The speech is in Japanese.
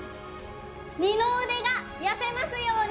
二の腕が痩せますように！